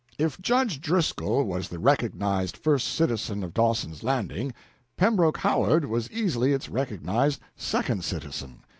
If Judge Driscoll was the recognized first citizen of Dawson's Landing, Pembroke Howard was easily its recognized second citizen.